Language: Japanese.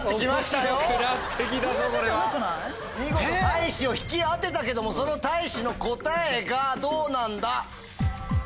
たいしを引き当てたけどもそのたいしの答えがどうなんだ？